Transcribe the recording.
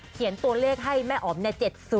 เขียนตัวเลขให้แม่ออมใน๗๐